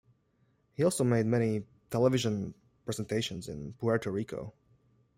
He also made many television presentations in Puerto Rico.